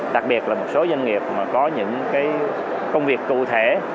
đặc biệt là một số doanh nghiệp có những công việc cụ thể